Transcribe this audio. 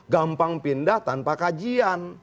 gampang pindah tanpa kajian